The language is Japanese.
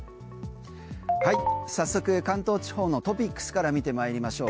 早速関東地方のトピックスから見てまいりましょう。